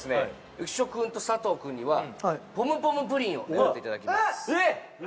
浮所君と佐藤君にはポムポムプリンを狙っていただきますえっ！